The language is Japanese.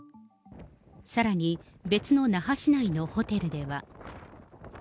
さらに、別の那覇市内のホテルでは。